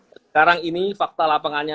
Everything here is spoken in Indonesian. sekarang ini fakta lapangannya